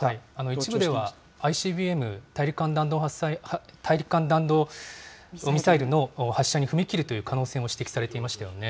一部では、ＩＣＢＭ・大陸間弾道ミサイルの発射に踏み切るという可能性も指摘されていましたよね。